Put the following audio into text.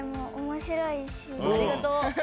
ありがとう！